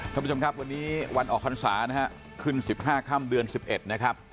ขอบคุณผู้ชมครับวันนี้วันออกภัณฑ์ศาสตร์นะครับขึ้น๑๕ค่ำเดือน๑๑นะครับ